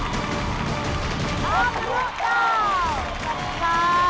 ขอบคุณค่ะ